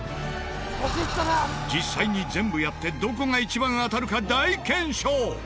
実際に全部やってどこが一番当たるか大検証。